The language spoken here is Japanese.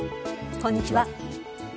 こんにちは。